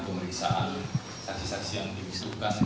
pemeriksaan saksi saksi yang dimisukkan